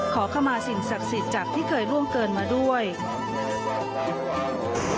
ขอเข้ามาสิ่งศักดิ์สิทธิ์จากที่เคยล่วงเกินมาด้วย